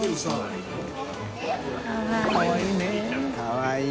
かわいい。